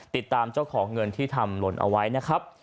ติดตามเจ้าของเงินที่ทำหล่นเอาไว้นะครับ